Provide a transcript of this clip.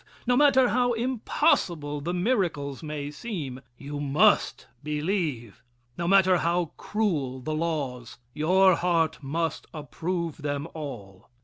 No matter how impossible the miracles may seem, you must believe. No matter how cruel the laws, your heart must approve them all!"